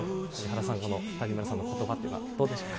谷村さんの言葉ってどうでしょうか。